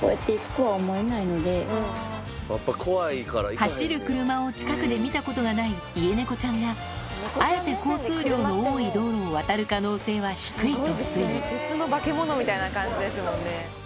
走る車を近くで見たことがない家猫ちゃんがあえて交通量の多い道路を渡る可能性は低いと推理鉄の化け物みたいな感じですもんね。